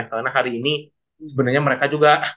karena hari ini sebenarnya mereka juga